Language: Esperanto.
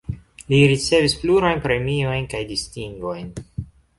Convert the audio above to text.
Li ricevis plurajn premiojn kaj distingojn.